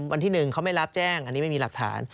วันที่๑เขาไม่รับแจ้งอันนี้ไม่มีหลักฐาน